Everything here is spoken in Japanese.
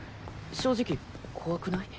正直怖くない？